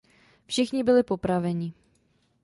Všichni byli popraveni.